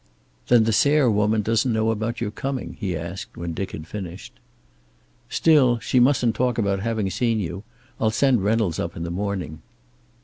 "Then the Sayre woman doesn't know about your coming?" he asked, when Dick had finished. "Still, she mustn't talk about having seen you. I'll send Reynolds up in the morning."